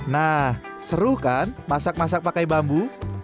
nah seru kan masak masak pakai bambu